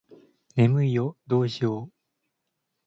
眠いよどうしよう